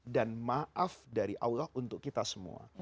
dan maaf dari allah untuk kita semua